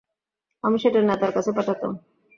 আমি সেটা নেতার কাছে পাঠাতাম।